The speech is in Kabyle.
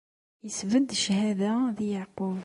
Isbedd cchada di Yeɛqub.